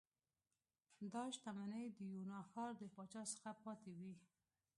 دا شتمنۍ د یونا ښار د پاچا څخه پاتې وې